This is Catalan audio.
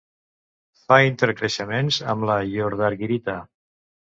Fa intercreixements amb la iodargirita.